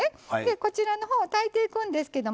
こちらのほう炊いていくんですけどね